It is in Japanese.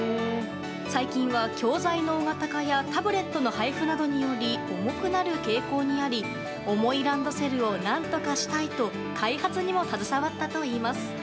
最近は教材の大型化やタブレットの配布などにより重くなる傾向にあり重いランドセルを何とかしたいと開発にも携わったといいます。